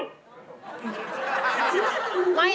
มีใครเล่าเพลงไหม